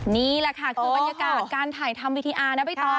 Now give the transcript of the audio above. นี่แหละค่ะคือบรรยากาศการถ่ายทำวิธีอาร์นะใบตอง